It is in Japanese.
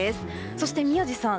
そして宮司さん